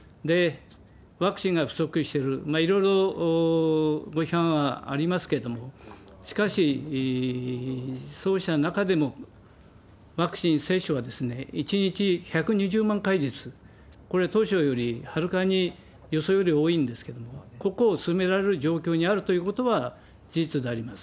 ワクチンが不足してる、いろいろご批判はありますけれども、しかし、そうした中でもワクチン接種は１日１２０万回ずつ、これ、当初よりはるかに予想より多いんですけれども、ここを進められる状況にあるということは事実であります。